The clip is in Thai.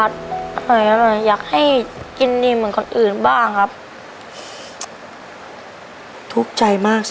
ทุกวันนี้ทุกใจมาก